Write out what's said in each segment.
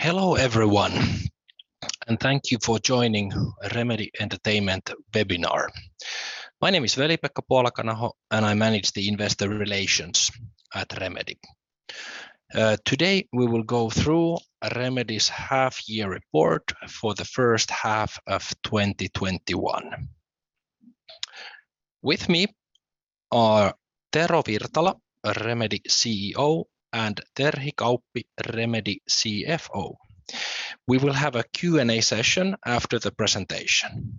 Hello, everyone, and thank you for joining Remedy Entertainment webinar. My name is Veli-Pekka Puolakanaho, and I manage the investor relations at Remedy. Today, we will go through Remedy's half-year report for the first half of 2021. With me are Tero Virtala, Remedy CEO, and Terhi Kauppi, Remedy CFO. We will have a Q&A session after the presentation.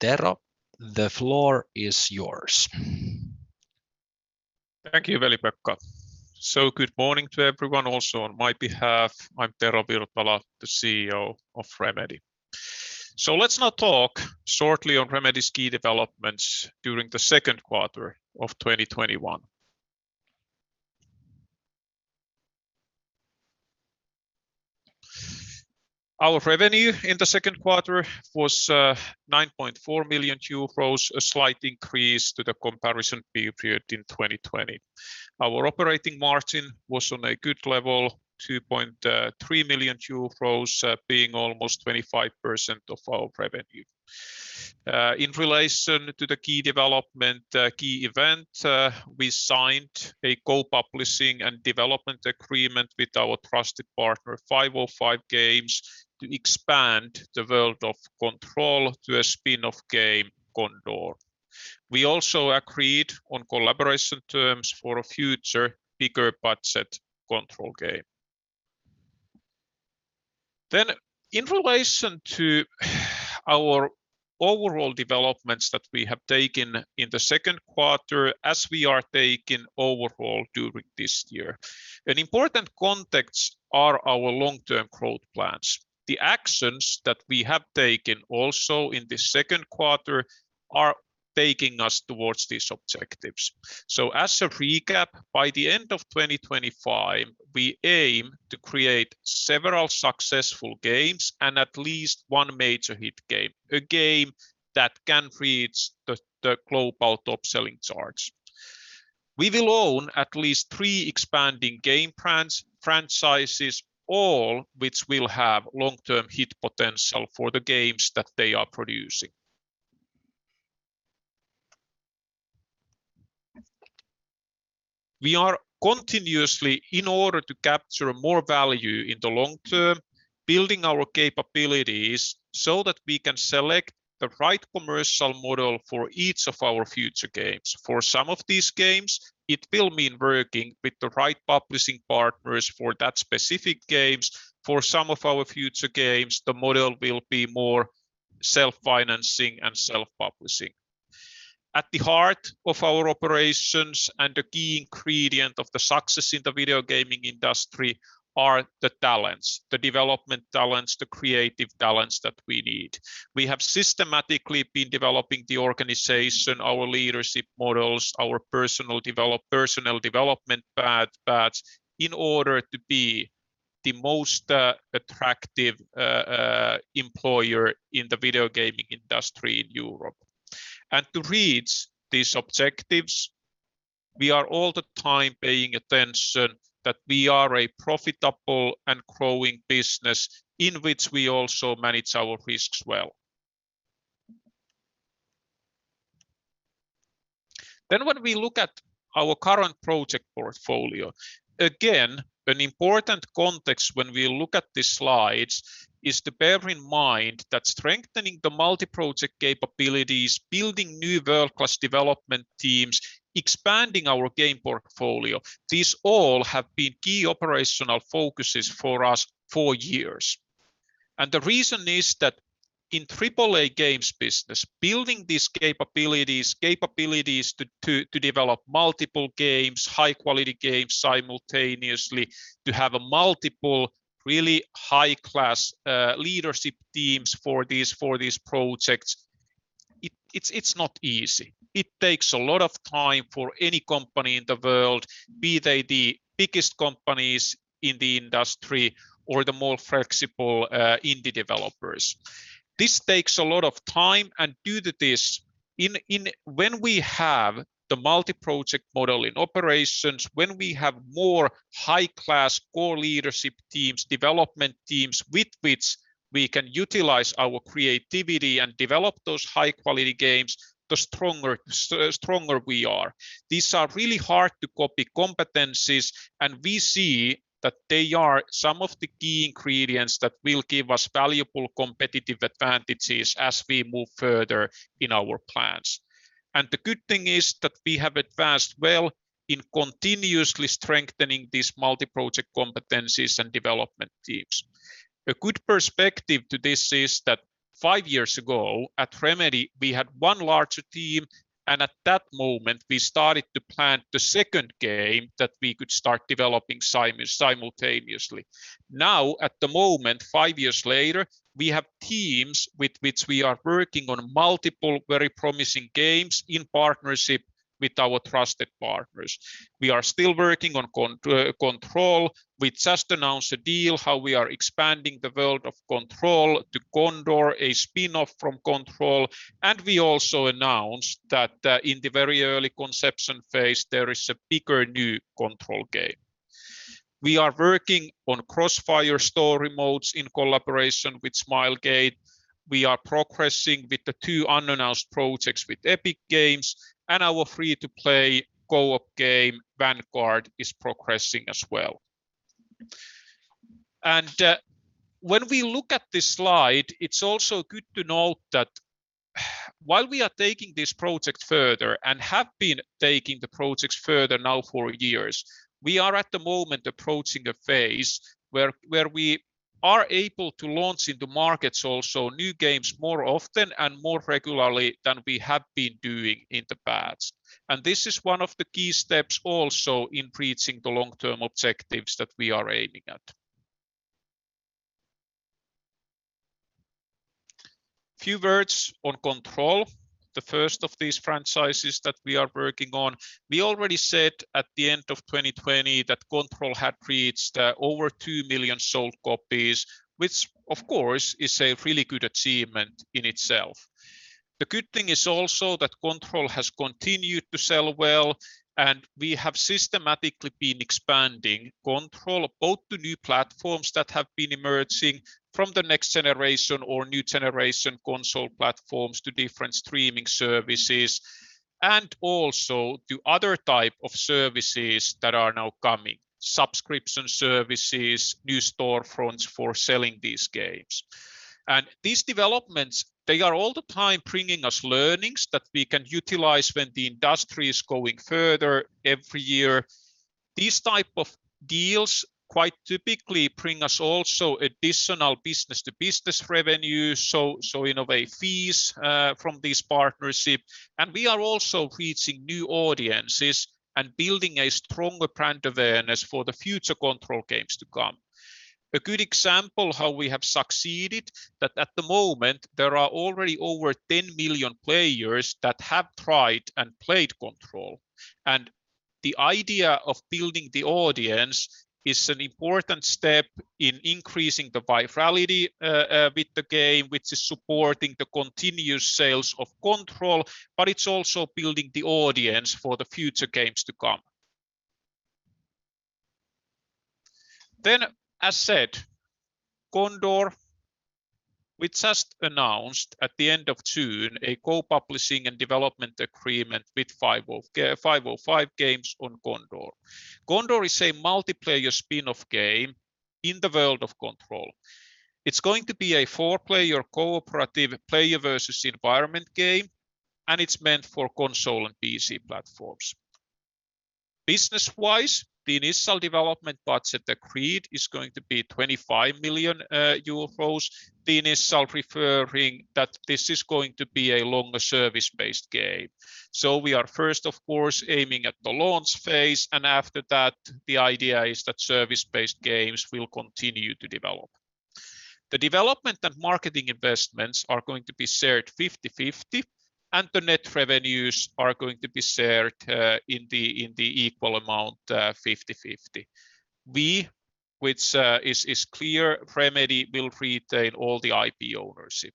Tero, the floor is yours. Thank you, Veli-Pekka. Good morning to everyone also on my behalf. I'm Tero Virtala, the CEO of Remedy. Let's now talk shortly on Remedy's key developments during the second quarter of 2021. Our revenue in the second quarter was 9.4 million euros, a slight increase to the comparison period in 2020. Our operating margin was on a good level, 2.3 million euros, being almost 25% of our revenue. In relation to the key development key event, we signed a co-publishing and development agreement with our trusted partner, 505 Games, to expand the world of Control to a spin-off game, Condor. We also agreed on collaboration terms for a future bigger budget Control game. In relation to our overall developments that we have taken in the second quarter, as we are taking overall during this year, an important context are our long-term growth plans. The actions that we have taken also in this second quarter are taking us towards these objectives. As a recap, by the end of 2025, we aim to create several successful games and at least one major hit game, a game that can reach the global top-selling charts. We will own at least three expanding game franchises, all which will have long-term hit potential for the games that they are producing. We are continuously, in order to capture more value in the long term, building our capabilities so that we can select the right commercial model for each of our future games. For some of these games, it will mean working with the right publishing partners for that specific games. For some of our future games, the model will be more self-financing and self-publishing. At the heart of our operations and the key ingredient of the success in the video gaming industry are the talents, the development talents, the creative talents that we need. We have systematically been developing the organization, our leadership models, our personal development paths in order to be the most attractive employer in the video gaming industry in Europe. To reach these objectives, we are all the time paying attention that we are a profitable and growing business in which we also manage our risks well. When we look at our current project portfolio, again, an important context when we look at these slides is to bear in mind that strengthening the multi-project capabilities, building new world-class development teams, expanding our game portfolio, these all have been key operational focuses for us for years. The reason is that in AAA games business, building these capabilities to develop multiple games, high-quality games simultaneously, to have a multiple really high-class leadership teams for these projects, it's not easy. It takes a lot of time for any company in the world, be they the biggest companies in the industry or the more flexible indie developers. This takes a lot of time, and due to this, when we have the multi-project model in operations, when we have more high-class core leadership teams, development teams with which we can utilize our creativity and develop those high-quality games, the stronger we are. These are really hard-to-copy competencies, and we see that they are some of the key ingredients that will give us valuable competitive advantages as we move further in our plans. The good thing is that we have advanced well in continuously strengthening these multi-project competencies and development teams. A good perspective to this is that five years ago at Remedy, we had one larger team, and at that moment, we started to plan the second game that we could start developing simultaneously. Now, at the moment, five years later, we have teams with which we are working on multiple very promising games in partnership with our trusted partners. We are still working on Control. We just announced a deal how we are expanding the world of Control to Condor, a spin-off from Control. We also announced that in the very early conception phase, there is a bigger new Control game. We are working on Crossfire story modes in collaboration with Smilegate. We are progressing with the two unannounced projects with Epic Games, and our free-to-play co-op game, Vanguard, is progressing as well. When we look at this slide, it's also good to note that while we are taking this project further and have been taking the projects further now for years, we are at the moment approaching a phase where we are able to launch into markets also new games more often and more regularly than we have been doing in the past. This is one of the key steps also in reaching the long-term objectives that we are aiming at. Few words on Control, the first of these franchises that we are working on. We already said at the end of 2020 that Control had reached over 2 million sold copies, which of course, is a really good achievement in itself. The good thing is also that Control has continued to sell well. We have systematically been expanding Control both to new platforms that have been emerging from the next generation or new generation console platforms to different streaming services, and also to other type of services that are now coming, subscription services, new storefronts for selling these games. These developments, they are all the time bringing us learnings that we can utilize when the industry is going further every year. These type of deals quite typically bring us also additional business-to-business revenue, so in a way, fees from this partnership. We are also reaching new audiences and building a stronger brand awareness for the future Control games to come. A good example how we have succeeded, that at the moment, there are already over 10 million players that have tried and played Control. The idea of building the audience is an important step in increasing the virality with the game, which is supporting the continuous sales of Control, but it's also building the audience for the future games to come. As said, Condor, we just announced at the end of June a co-publishing and development agreement with 505 Games on Condor. Condor is a multiplayer spin-off game in the world of Control. It's going to be a four-player cooperative player versus environment game, and it's meant for console and PC platforms. Business-wise, the initial development budget agreed is going to be 25 million euros. The initial referring that this is going to be a longer service-based game. We are first, of course, aiming at the launch phase, and after that, the idea is that service-based games will continue to develop. The development and marketing investments are going to be shared 50/50, and the net revenues are going to be shared in the equal amount, 50/50. Remedy will retain all the IP ownership.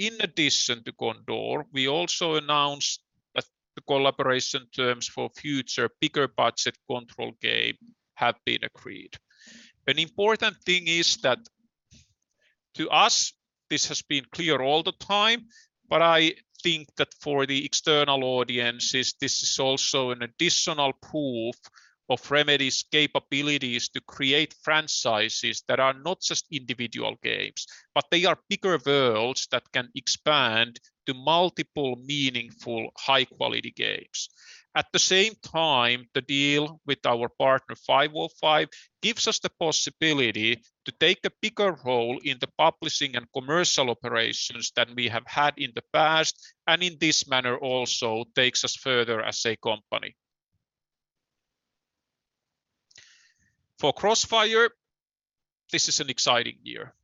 In addition to Condor, we also announced that the collaboration terms for future bigger budget Control game have been agreed. An important thing is that to us, this has been clear all the time, but I think that for the external audiences, this is also an additional proof of Remedy's capabilities to create franchises that are not just individual games, but they are bigger worlds that can expand to multiple meaningful high-quality games. At the same time, the deal with our partner 505 gives us the possibility to take a bigger role in the publishing and commercial operations than we have had in the past, and in this manner also takes us further as a company. For Crossfire, this is an exciting year.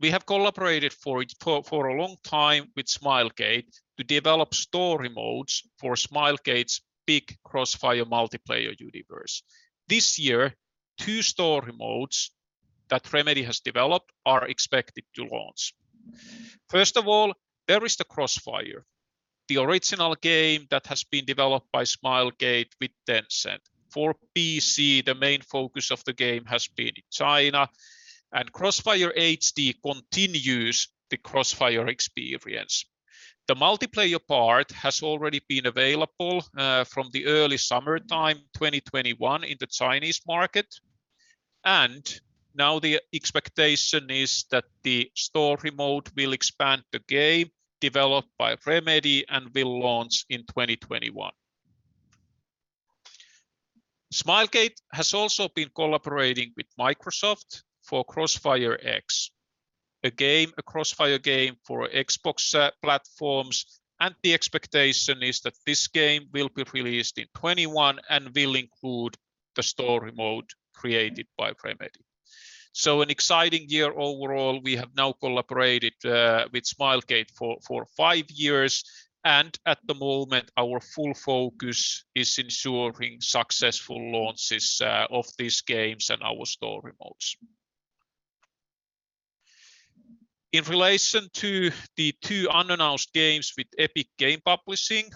We have collaborated for a long time with Smilegate to develop story modes for Smilegate's big Crossfire multiplayer universe. This year, two story modes that Remedy has developed are expected to launch. First of all, there is the Crossfire, the original game that has been developed by Smilegate with Tencent. For PC, the main focus of the game has been in China, and Crossfire HD continues the Crossfire experience. The multiplayer part has already been available from the early summer time 2021 in the Chinese market. Now the expectation is that the story mode will expand the game developed by Remedy and will launch in 2021. Smilegate has also been collaborating with Microsoft for CrossfireX, a Crossfire game for Xbox platforms, and the expectation is that this game will be released in 2021 and will include the story mode created by Remedy. An exciting year overall. We have now collaborated with Smilegate for five years, and at the moment, our full focus is ensuring successful launches of these games and our story modes. In relation to the two unannounced games with Epic Games Publishing,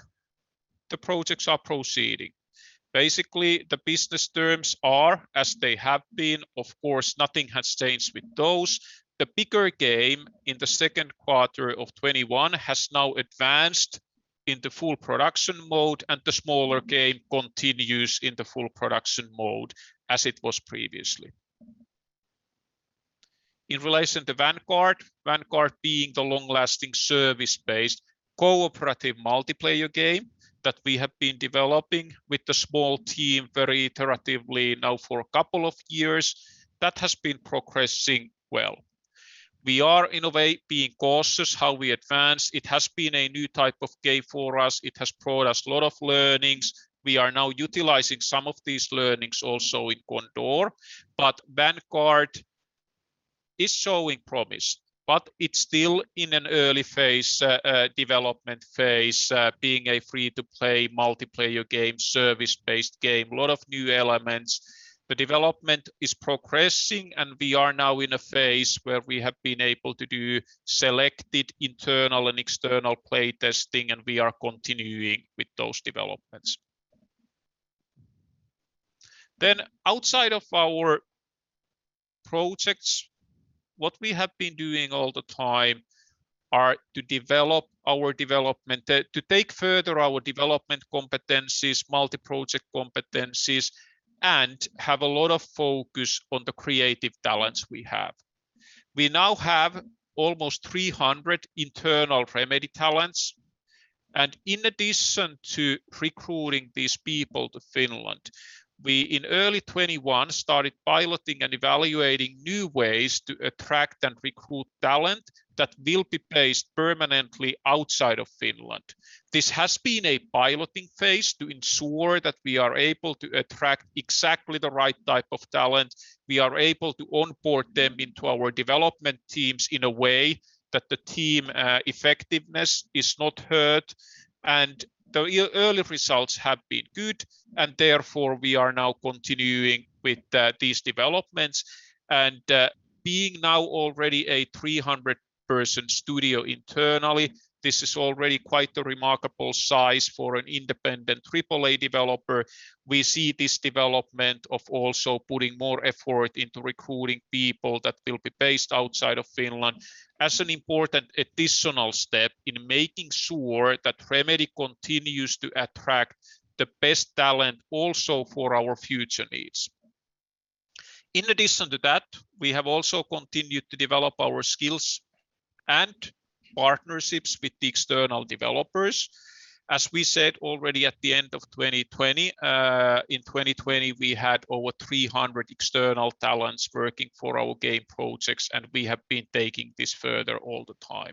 the projects are proceeding. Basically, the business terms are as they have been. Of course, nothing has changed with those. The bigger game in the second quarter of 2021 has now advanced into full production mode, and the smaller game continues in the full production mode as it was previously. In relation to Vanguard being the long-lasting service-based cooperative multiplayer game that we have been developing with a small team very iteratively now for a couple of years, that has been progressing well. We are, in a way, being cautious how we advance. It has been a new type of game for us. It has brought us a lot of learnings. We are now utilizing some of these learnings also in Condor, but Vanguard is showing promise, but it's still in an early development phase, being a free-to-play multiplayer game, service-based game, lot of new elements. The development is progressing. We are now in a phase where we have been able to do selected internal and external playtesting. We are continuing with those developments. Outside of our projects, what we have been doing all the time are to take further our development competencies, multi-project competencies. We have a lot of focus on the creative talents we have. We now have almost 300 internal Remedy talents. In addition to recruiting these people to Finland, we, in early 2021, started piloting and evaluating new ways to attract and recruit talent that will be based permanently outside of Finland. This has been a piloting phase to ensure that we are able to attract exactly the right type of talent. We are able to onboard them into our development teams in a way that the team effectiveness is not hurt. The early results have been good, and therefore, we are now continuing with these developments. Being now already a 300-person studio internally, this is already quite the remarkable size for an independent AAA developer. We see this development of also putting more effort into recruiting people that will be based outside of Finland as an important additional step in making sure that Remedy continues to attract the best talent also for our future needs. In addition to that, we have also continued to develop our skills and partnerships with the external developers. As we said already at the end of 2020, in 2020, we had over 300 external talents working for our game projects, and we have been taking this further all the time.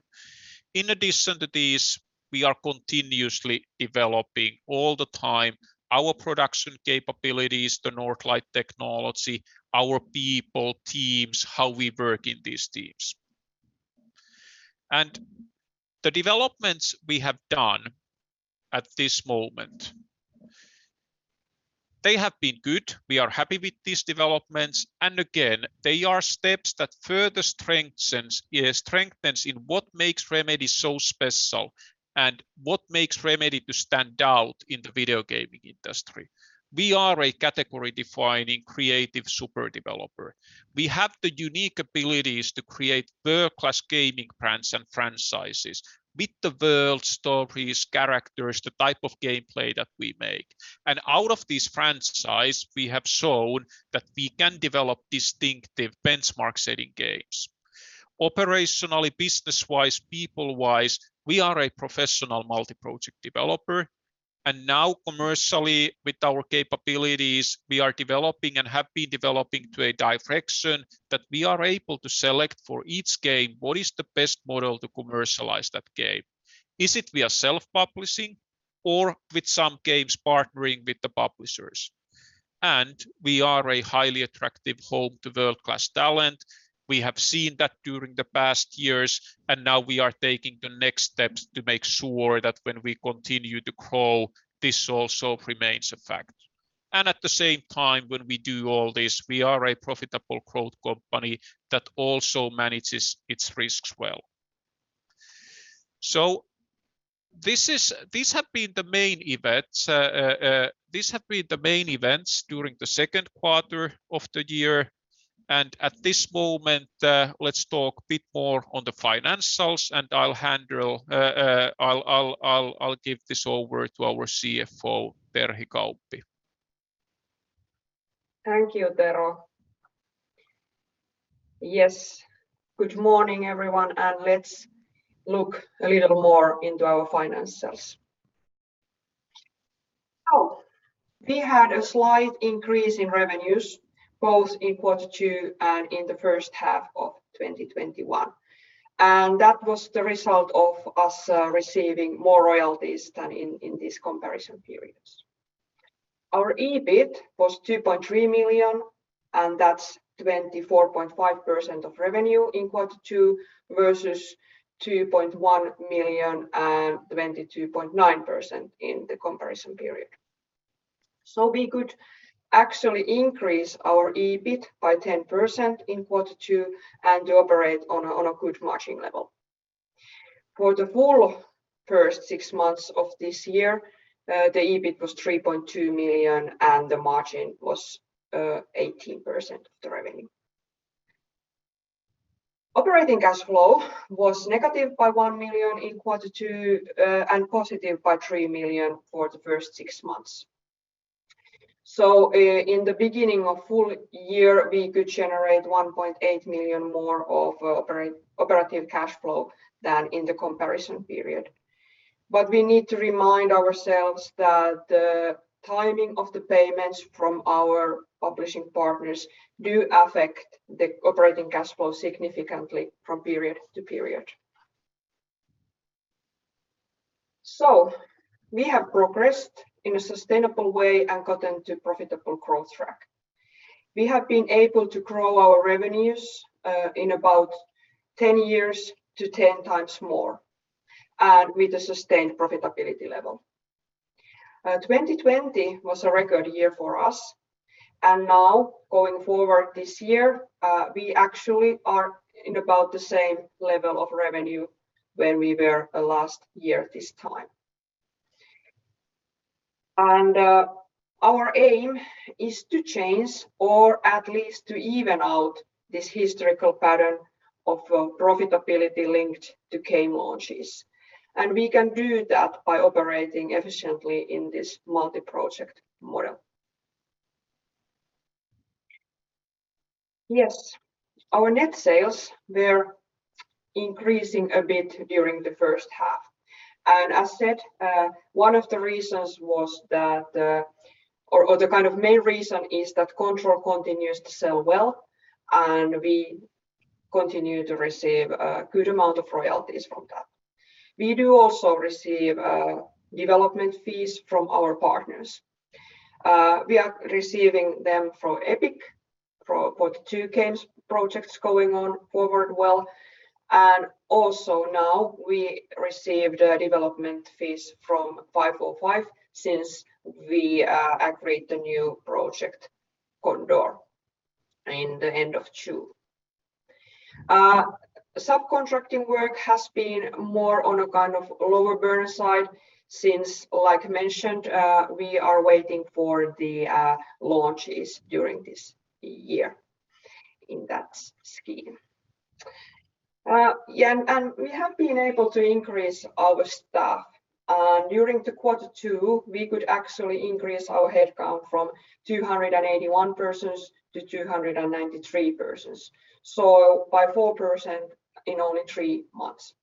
In addition to this, we are continuously developing all the time our production capabilities, the Northlight technology, our people, teams, how we work in these teams. The developments we have done at this moment, they have been good. We are happy with these developments. Again, they are steps that further strengthens in what makes Remedy so special and what makes Remedy to stand out in the video gaming industry. We are a category-defining creative super developer. We have the unique abilities to create world-class gaming brands and franchises with the world, stories, characters, the type of gameplay that we make. Out of this franchise, we have shown that we can develop distinctive benchmark-setting games. Operationally, business-wise, people-wise, we are a professional multi-project developer. Now commercially, with our capabilities, we are developing and have been developing to a direction that we are able to select for each game what is the best model to commercialize that game. Is it via self-publishing or with some games partnering with the publishers? We are a highly attractive home to world-class talent. We have seen that during the past years, and now we are taking the next steps to make sure that when we continue to grow, this also remains a fact. At the same time, when we do all this, we are a profitable growth company that also manages its risks well. These have been the main events during the second quarter of the year. At this moment, let's talk a bit more on the financials, and I'll give this over to our CFO, Terhi Kauppi. Thank you, Tero. Yes. Good morning, everyone. Let's look a little more into our financials. We had a slight increase in revenues, both in quarter two and in the first half of 2021, and that was the result of us receiving more royalties than in these comparison periods. Our EBIT was 2.3 million, and that's 24.5% of revenue in quarter two versus 2.1 million and 22.9% in the comparison period. We could actually increase our EBIT by 10% in quarter two and operate on a good margin level. For the full first six months of this year, the EBIT was 3.2 million, and the margin was 18% of the revenue. Operating cash flow was negative by 1 million in quarter two and positive by 3 million for the first six months. In the beginning of full year, we could generate 1.8 million more of operating cash flow than in the comparison period. We need to remind ourselves that the timing of the payments from our publishing partners do affect the operating cash flow significantly from period to period. We have progressed in a sustainable way and gotten to profitable growth track. We have been able to grow our revenues in about 10 years to 10x more, and with a sustained profitability level. 2020 was a record year for us, and now going forward this year, we actually are in about the same level of revenue where we were last year this time. Our aim is to change or at least to even out this historical pattern of profitability linked to game launches. We can do that by operating efficiently in this multi-project model. Yes, our net sales were increasing a bit during the first half. As said, the kind of main reason is that Control continues to sell well, and we continue to receive a good amount of royalties from that. We do also receive development fees from our partners. We are receiving them from Epic for Q2 games projects going on forward well, and also now we received development fees from 505 since we agreed the new project Condor in the end of June. Subcontracting work has been more on a kind of lower burner side since, like mentioned, we are waiting for the launches during this year in that scheme. We have been able to increase our staff. During the quarter two, we could actually increase our headcount from 281 persons to 293 persons. By 4% in only three months.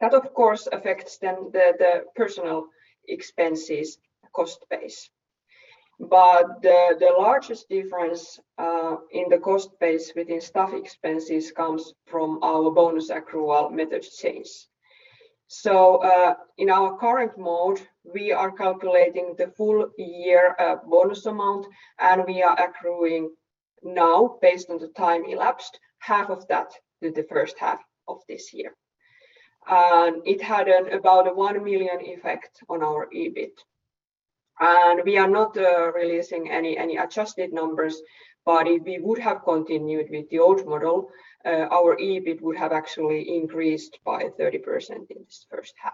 That of course affects the personal expenses cost base. The largest difference in the cost base within staff expenses comes from our bonus accrual method change. In our current mode, we are calculating the full year bonus amount, and we are accruing now, based on the time elapsed, half of that to the first half of this year. It had an about a 1 million effect on our EBIT. We are not releasing any adjusted numbers, if we would have continued with the old model, our EBIT would have actually increased by 30% in this first half.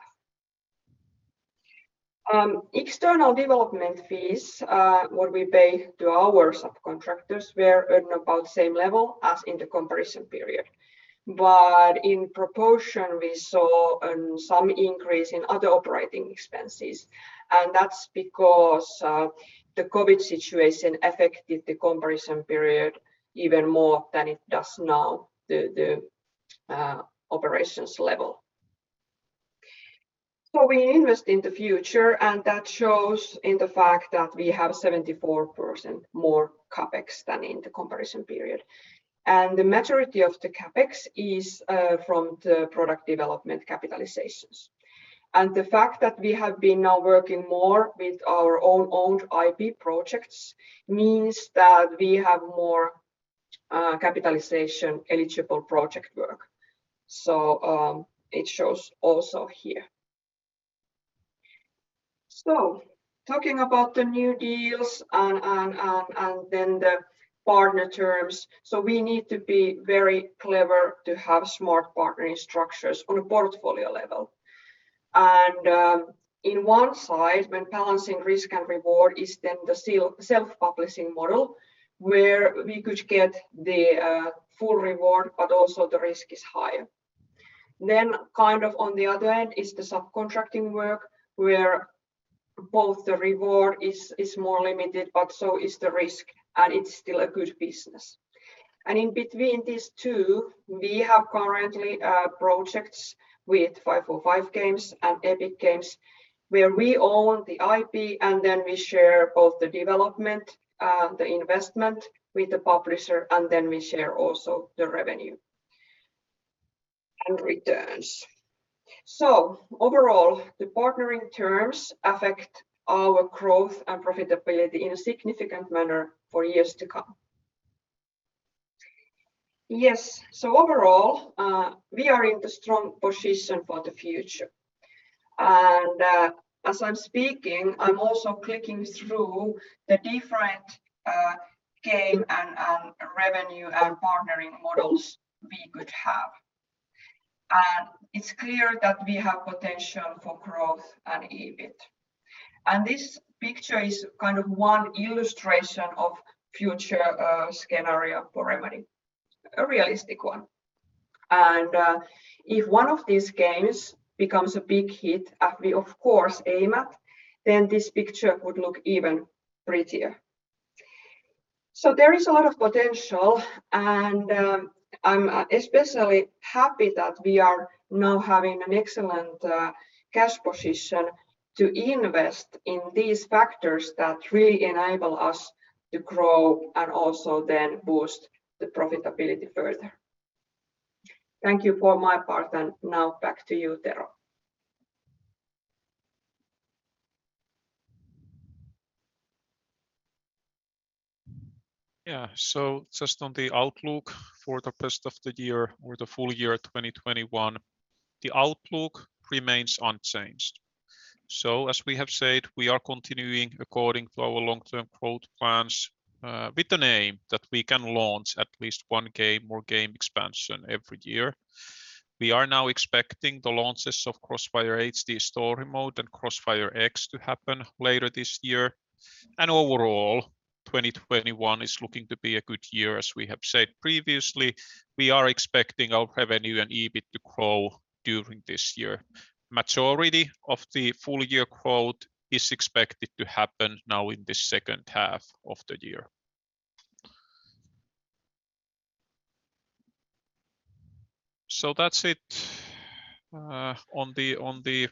External development fees, what we pay to our subcontractors, were in about same level as in the comparison period. In proportion, we saw some increase in other operating expenses, and that's because the COVID situation affected the comparison period even more than it does now, the operations level. We invest in the future, and that shows in the fact that we have 74% more CapEx than in the comparison period. The majority of the CapEx is from the product development capitalizations. The fact that we have been now working more with our own owned IP projects means that we have more capitalization eligible project work. It shows also here. Talking about the new deals and then the partner terms. We need to be very clever to have smart partnering structures on a portfolio level. In one side, when balancing risk and reward, is then the self-publishing model, where we could get the full reward, but also the risk is higher. Kind of on the other end is the subcontracting work, where both the reward is more limited, but so is the risk, and it's still a good business. In between these two, we have currently projects with 505 Games and Epic Games, where we own the IP, then we share both the development, the investment with the publisher, then we share also the revenue and returns. Overall, the partnering terms affect our growth and profitability in a significant manner for years to come. Yes. Overall, we are in a strong position for the future. As I'm speaking, I'm also clicking through the different game, and revenue, and partnering models we could have. It's clear that we have potential for growth and EBIT. This picture is one illustration of future scenario for Remedy, a realistic one. If one of these games becomes a big hit, as we of course aim at, then this picture would look even prettier. There is a lot of potential, and I'm especially happy that we are now having an excellent cash position to invest in these factors that really enable us to grow and also then boost the profitability further. Thank you for my part, and now back to you, Tero. Yeah. Just on the outlook for the rest of the year or the full year 2021, the outlook remains unchanged. As we have said, we are continuing according to our long-term growth plans, with an aim that we can launch at least one game or game expansion every year. We are now expecting the launches of Crossfire HD Story Mode and CrossfireX to happen later this year. Overall, 2021 is looking to be a good year, as we have said previously. We are expecting our revenue and EBIT to grow during this year. Majority of the full-year growth is expected to happen now in the second half of the year. That's it on the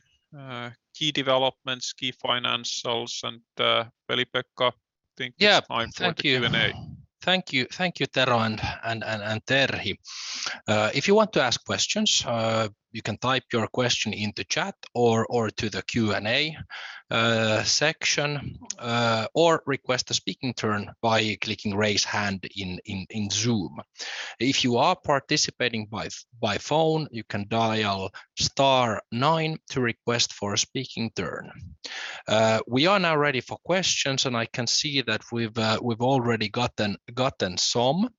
key developments, key financials, and Veli-Pekka, I think it's time for the Q&A. Thank you, Tero and Terhi. If you want to ask questions, you can type your question in the chat or to the Q&A section or request a speaking turn by clicking raise hand in Zoom. If you are participating by phone, you can dial star nine to request for a speaking turn. We are now ready for questions, and I can see that we've already gotten some.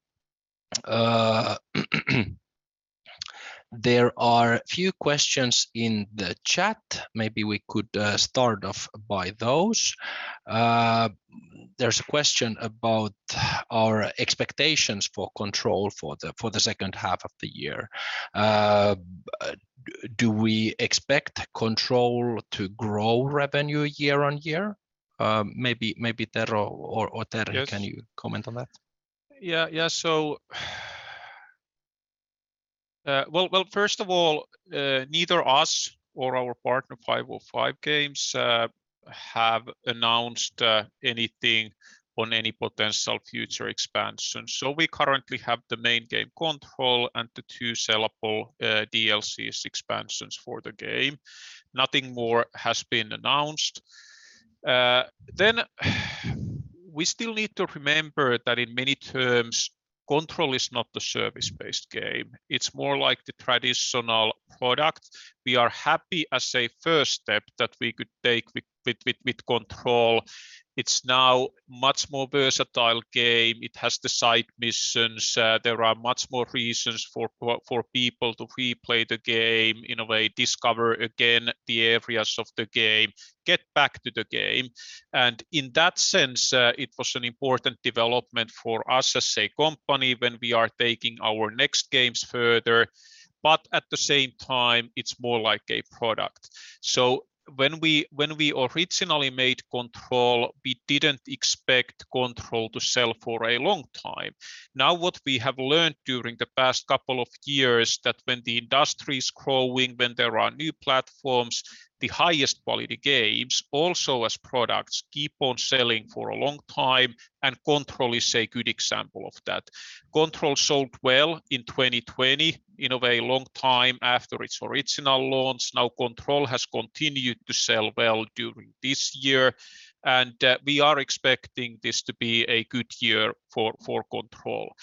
There are few questions in the chat. Maybe we could start off by those. There's a question about our expectations for Control for the second half of the year. Do we expect Control to grow revenue year-on-year? Maybe Tero or Terhi- Yes Can you comment on that? Well, first of all, neither us or our partner 505 Games have announced anything on any potential future expansions. We currently have the main game Control and the two sellable DLCs expansions for the game. Nothing more has been announced. We still need to remember that in many terms, Control is not a service-based game. It's more like the traditional product. We are happy as a first step that we could take with Control. It's now much more versatile game. It has the side missions. There are much more reasons for people to replay the game, in a way discover again the areas of the game, get back to the game. In that sense, it was an important development for us as a company when we are taking our next games further. At the same time, it's more like a product. When we originally made Control, we didn't expect Control to sell for a long time. What we have learned during the past couple of years, that when the industry's growing, when there are new platforms, the highest quality games, also as products, keep on selling for a long time, and Control is a good example of that. Control sold well in 2020, in a way, a long time after its original launch. Control has continued to sell well during this year, and we are expecting this to be a good year for Control.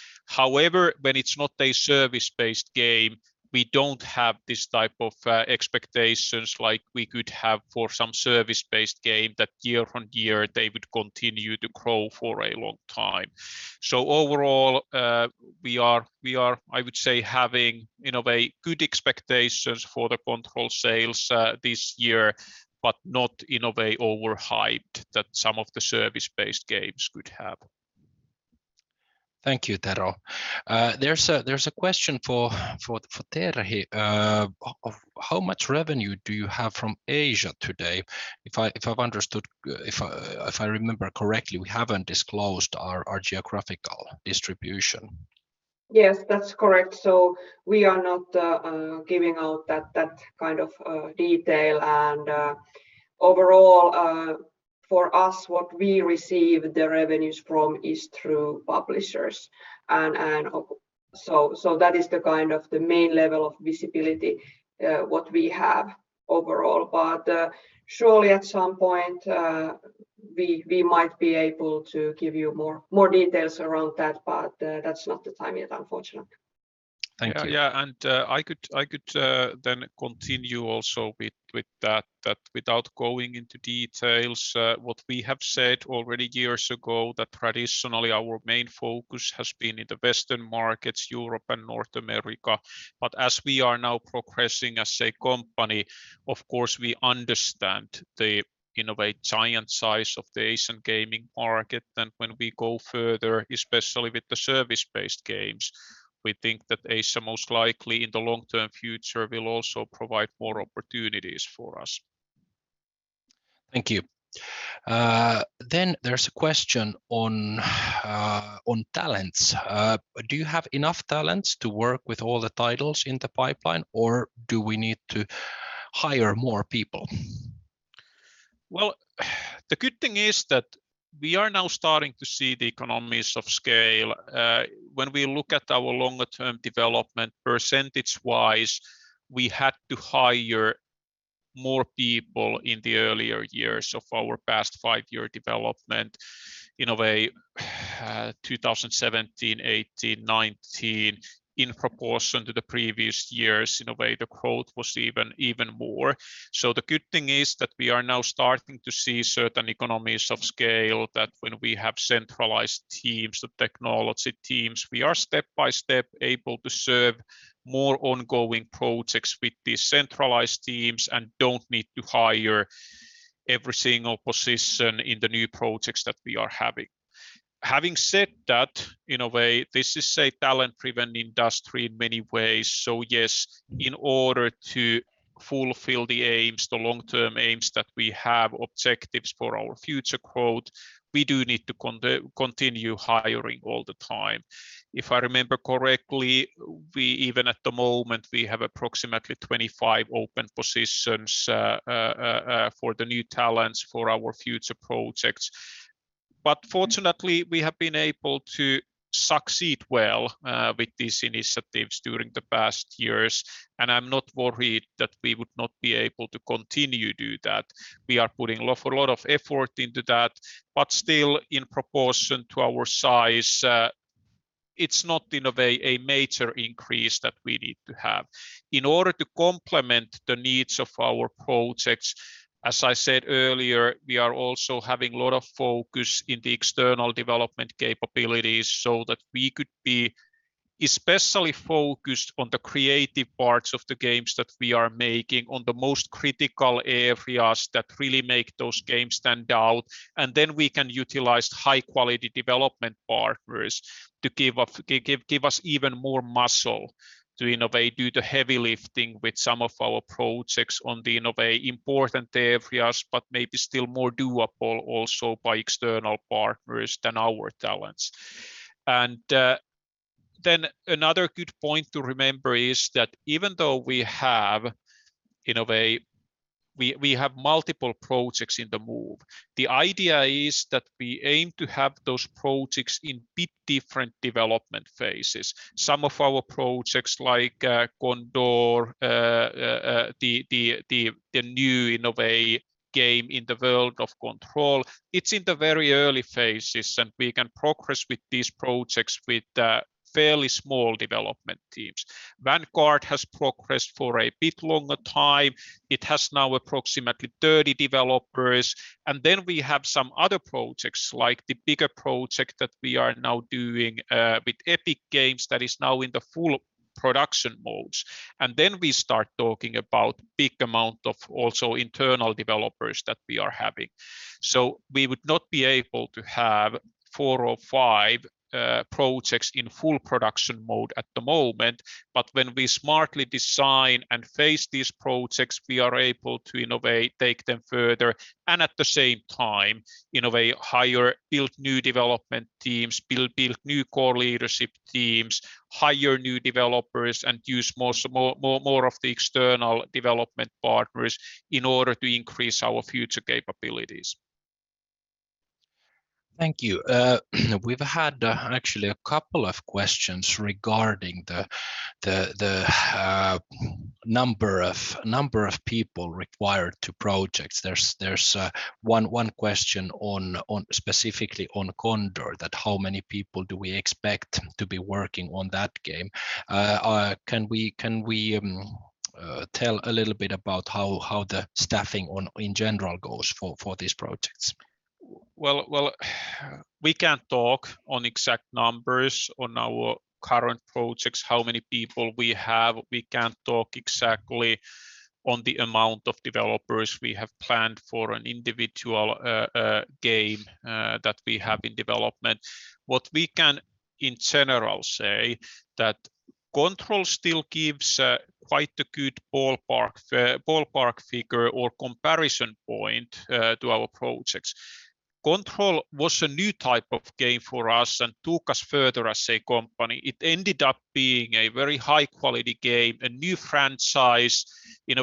When it's not a service-based game, we don't have this type of expectations like we could have for some service-based game that year on year, they would continue to grow for a long time. Overall, we are, I would say, having good expectations for the Control sales this year, but not over-hyped that some of the service-based games could have. Thank you, Tero. There's a question for Terhi of how much revenue do you have from Asia today? If I remember correctly, we haven't disclosed our geographical distribution. Yes, that's correct. We are not giving out that kind of detail. Overall, for us, what we receive the revenues from is through publishers. That is the main level of visibility, what we have overall. Surely at some point, We might be able to give you more details around that, but that's not the time yet, unfortunately. Thank you. I could then continue also with that, without going into details, what we have said already years ago, that traditionally our main focus has been in the Western markets, Europe and North America. As we are now progressing as a company, of course, we understand the giant size of the Asian gaming market, and when we go further, especially with the service-based games, we think that Asia most likely in the long-term future will also provide more opportunities for us. Thank you. There's a question on talents. Do you have enough talents to work with all the titles in the pipeline, or do we need to hire more people? The good thing is that we are now starting to see the economies of scale. When we look at our longer-term development percentage-wise, we had to hire more people in the earlier years of our past five-year development, in a way, 2017, 2018, 2019. In proportion to the previous years, in a way, the growth was even more. The good thing is that we are now starting to see certain economies of scale, that when we have centralized teams, the technology teams, we are step by step able to serve more ongoing projects with these centralized teams and don't need to hire every single position in the new projects that we are having. Having said that, in a way, this is a talent-driven industry in many ways. Yes, in order to fulfill the long-term aims that we have, objectives for our future growth, we do need to continue hiring all the time. If I remember correctly, even at the moment, we have approximately 25 open positions for the new talents for our future projects. Fortunately, we have been able to succeed well with these initiatives during the past years, and I'm not worried that we would not be able to continue to do that. We are putting a lot of effort into that. Still, in proportion to our size, it's not a major increase that we need to have. In order to complement the needs of our projects, as I said earlier, we are also having a lot of focus in the external development capabilities so that we could be especially focused on the creative parts of the games that we are making, on the most critical areas that really make those games stand out. We can utilize high-quality development partners to give us even more muscle to do the heavy lifting with some of our projects on the important areas, but maybe still more doable also by external partners than our talents. Another good point to remember is that even though we have multiple projects in the move, the idea is that we aim to have those projects in bit different development phases. Some of our projects like Condor, the new game in the world of Control, it's in the very early phases, and we can progress with these projects with fairly small development teams. Vanguard has progressed for a bit longer time. It has now approximately 30 developers. Then we have some other projects, like the bigger project that we are now doing with Epic Games that is now in the full production modes. Then we start talking about big amount of also internal developers that we are having. We would not be able to have four or five projects in full production mode at the moment, but when we smartly design and phase these projects, we are able to take them further, and at the same time, hire, build new development teams, build new core leadership teams, hire new developers, and use more of the external development partners in order to increase our future capabilities. Thank you. We've had actually a couple of questions regarding the number of people required to projects. There's one question specifically on Condor, that how many people do we expect to be working on that game? Can we tell a little bit about how the staffing in general goes for these projects? Well, we can't talk on exact numbers on our current projects, how many people we have. We can't talk exactly on the amount of developers we have planned for an individual game that we have in development. What we can in general say that Control still gives quite a good ballpark figure or comparison point to our projects. Control was a new type of game for us and took us further as a company. It ended up being a very high-quality game, a new franchise, an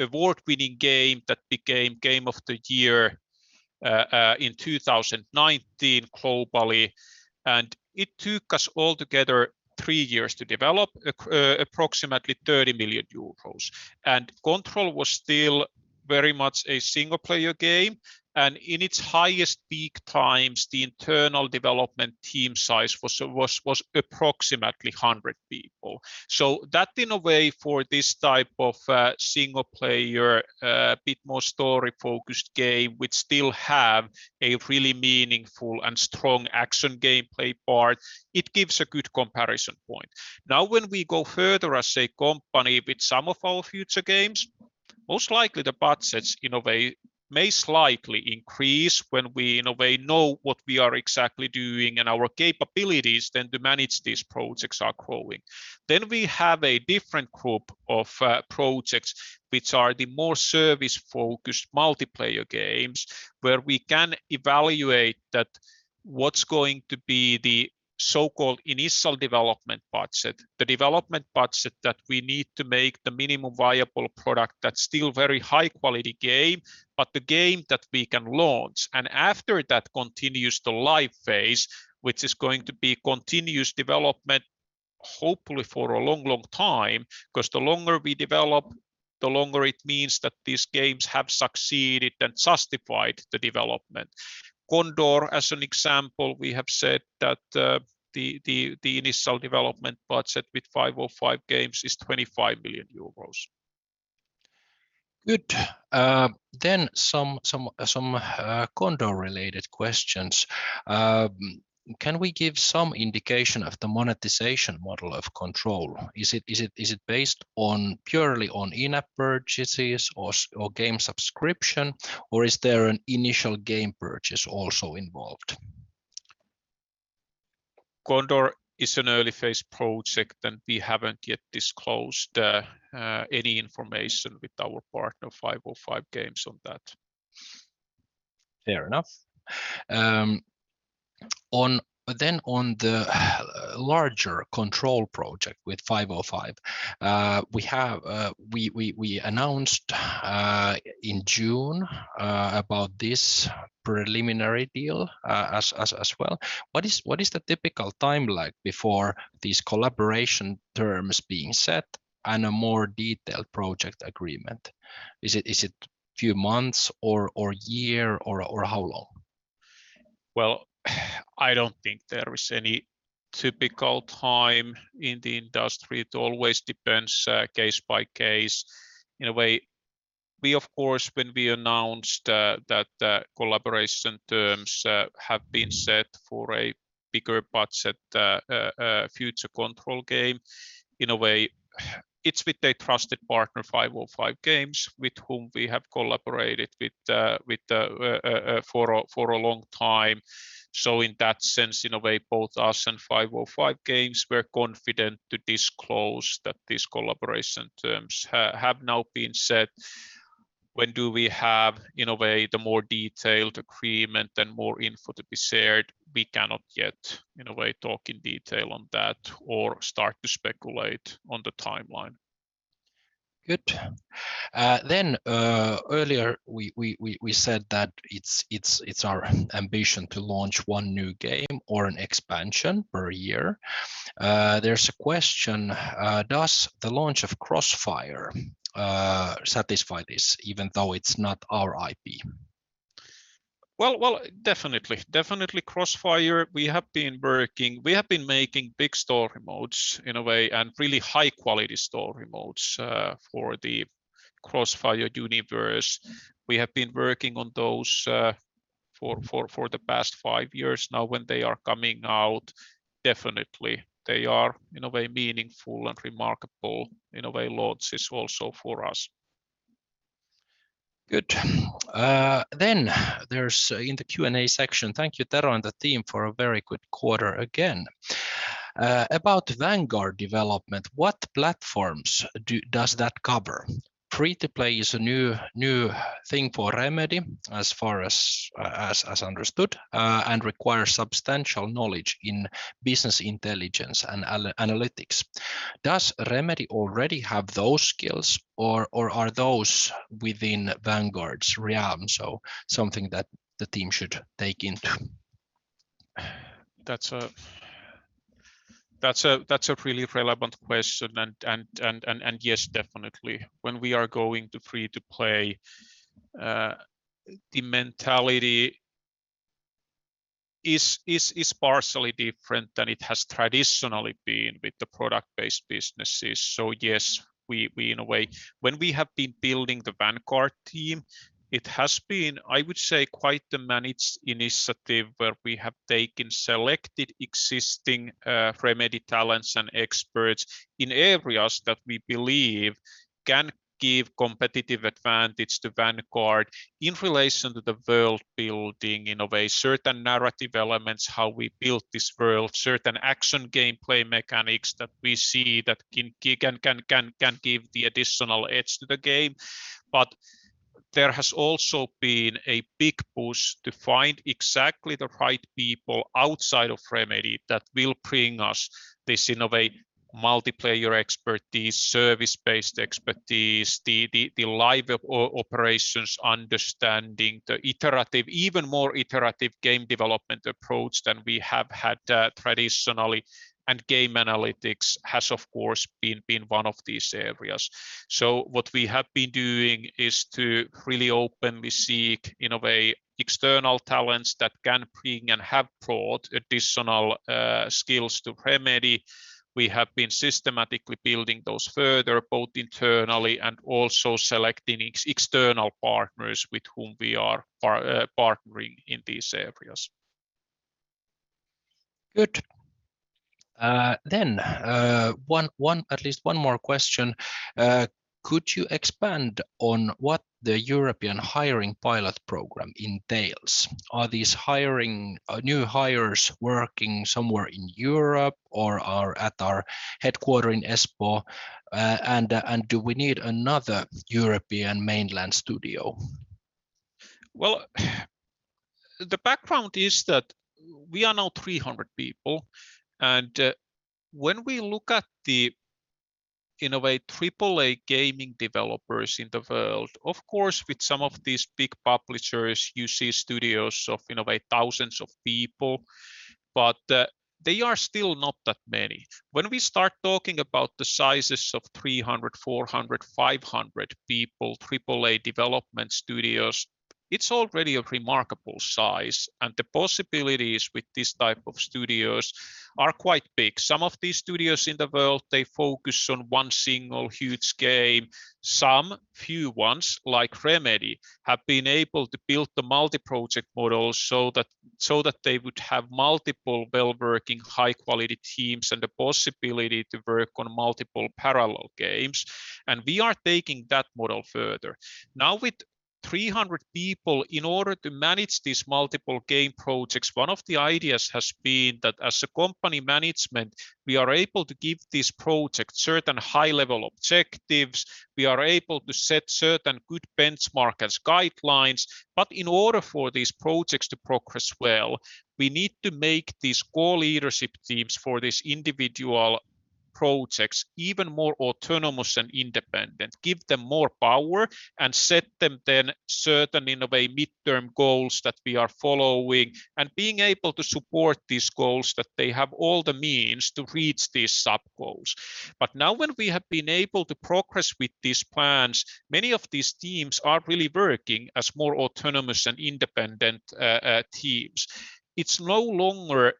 award-winning game that became game of the year in 2019 globally. It took us altogether three years to develop, approximately 30 million euros. Control was still very much a single-player game, and in its highest peak times, the internal development team size was approximately 100 people. That, in a way, for this type of single-player, bit more story-focused game, which still have a really meaningful and strong action gameplay part, it gives a good comparison point. When we go further as a company with some of our future games, most likely the budgets may slightly increase when we know what we are exactly doing and our capabilities then to manage these projects are growing. We have a different group of projects, which are the more service-focused multiplayer games, where we can evaluate that what's going to be the so-called initial development budget, the development budget that we need to make the minimum viable product that's still very high-quality game, but the game that we can launch. After that continuous to live phase, which is going to be continuous development, hopefully for a long, long time, because the longer we develop, the longer it means that these games have succeeded and justified the development. Condor, as an example, we have said that the initial development budget with 505 Games is 25 million euros. Good. Some Condor-related questions. Can we give some indication of the monetization model of Control? Is it based purely on in-app purchases or game subscription, or is there an initial game purchase also involved? Condor is an early-phase project, and we haven't yet disclosed any information with our partner, 505 Games, on that. Fair enough. On the larger Control project with 505, we announced in June about this preliminary deal as well. What is the typical timeline before these collaboration terms being set and a more detailed project agreement? Is it few months, or year, or how long? Well, I don't think there is any typical time in the industry. It always depends case by case. In a way, we, of course, when we announced that the collaboration terms have been set for a bigger budget future Control game, in a way, it's with a trusted partner, 505 Games, with whom we have collaborated with for a long time. In that sense, in a way, both us and 505 Games were confident to disclose that these collaboration terms have now been set. When do we have, in a way, the more detailed agreement and more info to be shared, we cannot yet, in a way, talk in detail on that or start to speculate on the timeline. Good. Earlier we said that it's our ambition to launch one new game or an expansion per year. There's a question, does the launch of Crossfire satisfy this even though it's not our IP? Definitely Crossfire, we have been making big story modes, in a way, and really high-quality story modes for the Crossfire universe. We have been working on those for the past five years now. When they are coming out, definitely they are, in a way, meaningful and remarkable launches also for us. Good. There's, in the Q&A section, thank you, Tero, and the team for a very good quarter again. About Vanguard development, what platforms does that cover? Free-to-play is a new thing for Remedy as far as understood and requires substantial knowledge in business intelligence and analytics. Does Remedy already have those skills, or are those within Vanguard's realm, so something that the team should take into? That's a really relevant question, and yes, definitely. When we are going to free-to-play, the mentality is partially different than it has traditionally been with the product-based businesses. Yes, when we have been building the Vanguard team, it has been, I would say, quite the managed initiative where we have taken selected existing Remedy talents and experts in areas that we believe can give competitive advantage to Vanguard in relation to the world-building, in a way, certain narrative elements, how we build this world, certain action gameplay mechanics that we see that can give the additional edge to the game. There has also been a big push to find exactly the right people outside of Remedy that will bring us this multiplayer expertise, service-based expertise, the live operations understanding, the even more iterative game development approach than we have had traditionally, and game analytics has, of course, been one of these areas. What we have been doing is to really openly seek external talents that can bring and have brought additional skills to Remedy. We have been systematically building those further, both internally and also selecting external partners with whom we are partnering in these areas. Good. At least one more question. Could you expand on what the European hiring pilot program entails? Are these new hires working somewhere in Europe or are at our headquarters in Espoo? Do we need another European mainland studio? The background is that we are now 300 people, and when we look at the AAA gaming developers in the world, of course, with some of these big publishers, you see studios of thousands of people, but they are still not that many. When we start talking about the sizes of 300, 400, 500 people, AAA development studios, it's already a remarkable size, and the possibilities with this type of studios are quite big. Some of these studios in the world, they focus on one single huge game. Some few ones, like Remedy, have been able to build the multi-project model so that they would have multiple well-working high-quality teams and the possibility to work on multiple parallel games. We are taking that model further. Now with 300 people, in order to manage these multiple game projects, one of the ideas has been that as a company management, we are able to give these projects certain high-level objectives. We are able to set certain good benchmarks, guidelines. In order for these projects to progress well, we need to make these core leadership teams for these individual projects even more autonomous and independent, give them more power, and set them then certain midterm goals that we are following, and being able to support these goals, that they have all the means to reach these sub-goals. Now when we have been able to progress with these plans, many of these teams are really working as more autonomous and independent teams. It's no longer,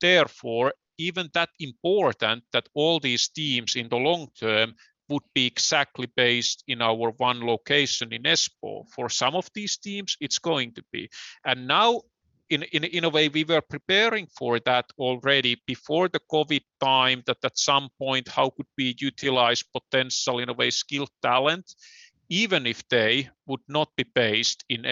therefore, even that important that all these teams in the long term would be exactly based in our one location in Espoo. For some of these teams, it's going to be. Now, in a way, we were preparing for that already before the COVID time, that at some point, how could we utilize potential skilled talent, even if they would not be based in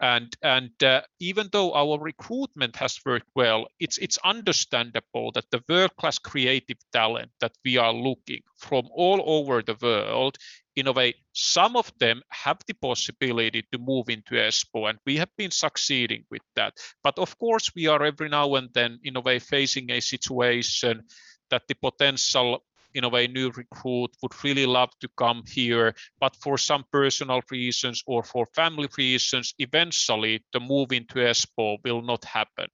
Espoo. Even though our recruitment has worked well, it's understandable that the world-class creative talent that we are looking from all over the world, in a way, some of them have the possibility to move into Espoo, and we have been succeeding with that. Of course, we are every now and then facing a situation that the potential new recruit would really love to come here, but for some personal reasons or for family reasons, eventually, the move into Espoo will not happen.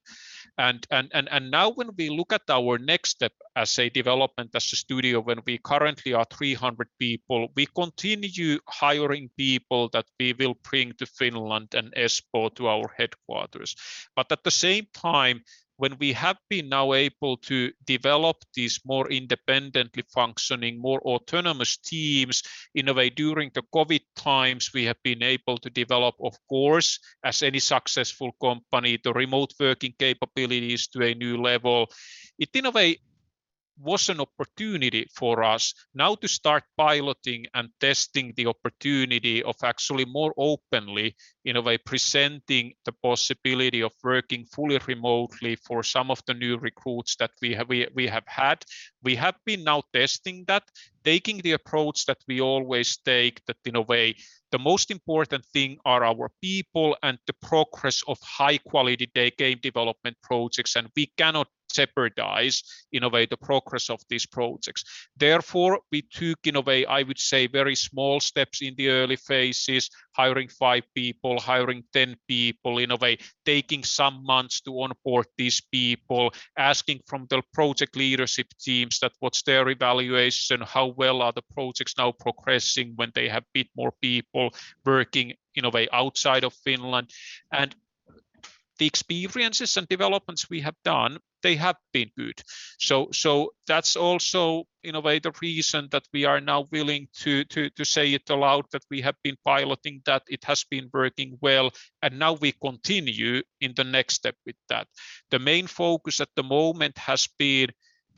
Now when we look at our next step as a development, as a studio, when we currently are 300 people, we continue hiring people that we will bring to Finland and Espoo to our headquarters. At the same time, when we have been now able to develop these more independently functioning, more autonomous teams, in a way, during the COVID times, we have been able to develop, of course, as any successful company, the remote working capabilities to a new level. It, in a way, was an opportunity for us now to start piloting and testing the opportunity of actually more openly presenting the possibility of working fully remotely for some of the new recruits that we have had. We have been now testing that, taking the approach that we always take, that in a way, the most important thing are our people and the progress of high-quality game development projects, and we cannot jeopardize the progress of these projects. Therefore, we took, I would say, very small steps in the early phases, hiring five people, hiring 10 people, in a way, taking some months to onboard these people, asking from the project leadership teams that what's their evaluation, how well are the projects now progressing when they have a bit more people working outside of Finland. The experiences and developments we have done, they have been good. That's also the reason that we are now willing to say it aloud that we have been piloting that. It has been working well, and now we continue in the next step with that. The main focus at the moment has been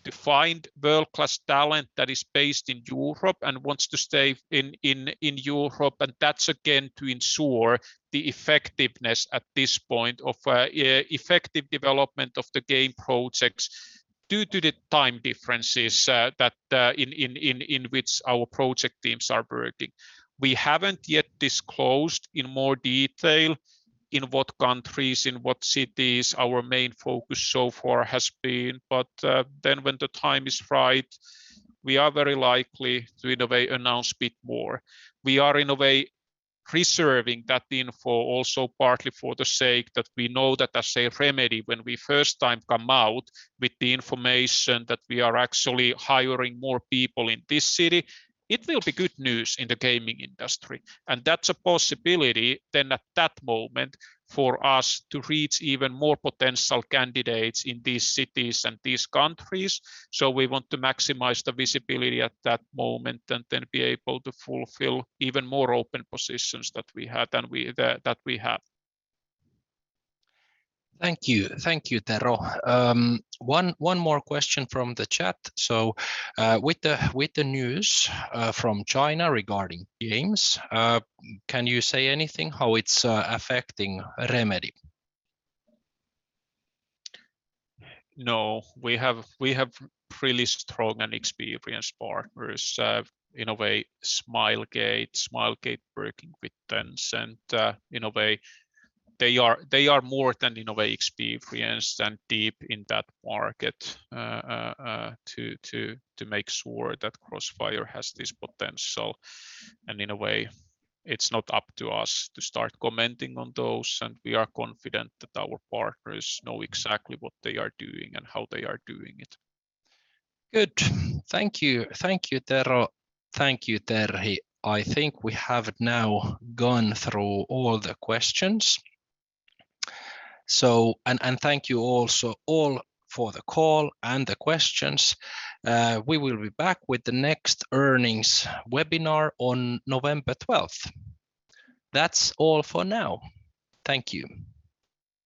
to find world-class talent that is based in Europe and wants to stay in Europe, and that's again to ensure the effectiveness at this point of effective development of the game projects due to the time differences in which our project teams are working. We haven't yet disclosed in more detail in what countries, in what cities our main focus so far has been. When the time is right. We are very likely to announce a bit more. We are preserving that info also partly for the sake that we know that as Remedy, when we first time come out with the information that we are actually hiring more people in this city, it will be good news in the gaming industry. That's a possibility then at that moment for us to reach even more potential candidates in these cities and these countries. We want to maximize the visibility at that moment and then be able to fulfill even more open positions that we have. Thank you, Tero. One more question from the chat. With the news from China regarding games, can you say anything how it's affecting Remedy? No. We have really strong and experienced partners, Smilegate working with Tencent. They are more than experienced and deep in that market to make sure that Crossfire has this potential. It's not up to us to start commenting on those, and we are confident that our partners know exactly what they are doing and how they are doing it. Good. Thank you, Tero. Thank you, Terhi. I think we have now gone through all the questions. Thank you also all for the call and the questions. We will be back with the next earnings webinar on November 12th. That's all for now. Thank you.